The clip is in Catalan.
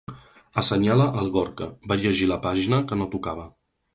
Assenyala el Gorka— va llegir la pàgina que no tocava.